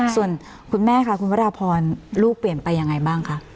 ส่วนคุณแม่ค่ะคุณวราพรลูกเปลี่ยนไปยังไงบ้างคะ